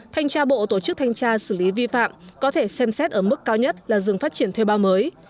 thanh tra bộ tổ chức thanh tra xử lý vi phạm có thể xem xét ở mức cao nhất là dừng phát triển thuê bao mới